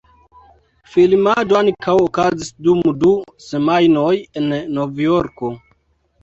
Filmado ankaŭ okazis dum du semajnoj en Novjorko.